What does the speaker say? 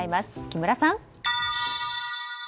木村さん。